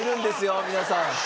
皆さん。